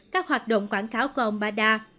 các hoạt động quảng cáo của ông bada